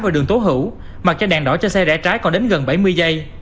và đường tố hữu mặc cho đèn đỏ cho xe rẽ trái còn đến gần bảy mươi giây